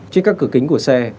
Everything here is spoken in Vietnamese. trên các cửa kính của xe